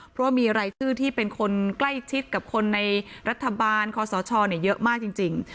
เพราะว่ามีรายชื่อที่เป็นคนใกล้ชิดกับคนในรัฐบาลคอสชเยอะมากจริง